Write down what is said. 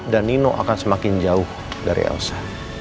dan mino akan semakin jauh dari elsa